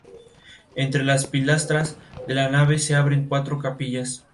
En consecuencia, se proclamó la única república en la historia inglesa.